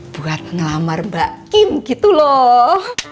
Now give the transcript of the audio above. buat ngelamar mbak im gitu loh